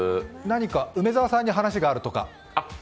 梅澤さんに話があるとか？